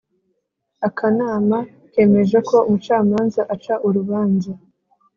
akanama kemeje ko umucamanza aca urubanza